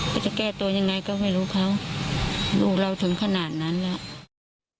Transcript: แล้วจะแก้ตัวยังไงก็ไม่รู้เขาลูกเราถึงขนาดนั้นแล้ว